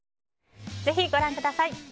ぜひご覧ください。